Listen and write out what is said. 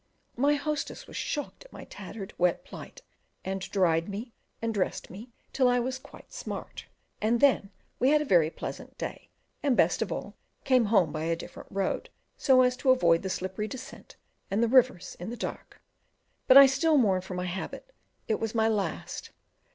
My hostess was shocked at my tattered, wet plight, and dried me, and dressed me up till I was quite smart, and then we had a very pleasant day, and, best of all, came home by a different road, so as to avoid the slippery descent and the rivers in the dark; but I still mourn for my habit! it was my last.